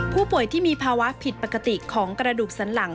ผู้ป่วยที่มีภาวะผิดปกติของกระดูกสันหลัง